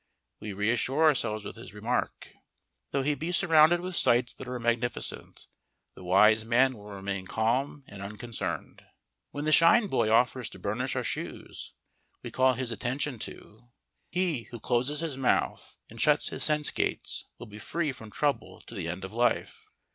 We reassure ourself with his remark: Though he be surrounded with sights that are magnificent, the wise man will remain calm and unconcerned. When the shine boy offers to burnish our shoes, we call his attention to: _He who closes his mouth and shuts his sense gates will be free from trouble to the end of life.